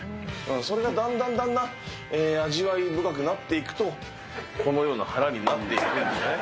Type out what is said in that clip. それがだんだんだんだん味わい深くなっていくと、このような腹になっていくんだよね。